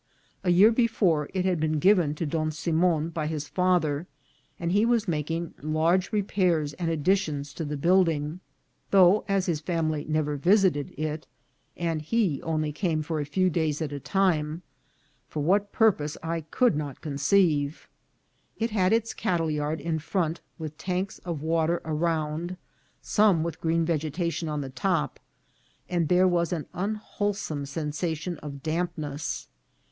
A year before it had been given to Don Simon by his father, and he was making large repairs and additions to the building, though, as his family never visited it, and he only for a few days at a time, for what purpose I could not con ceive. It had its cattle yard in front, with tanks of water around, some with green vegetation on the top, and there was an unwholesome sensation of dampness.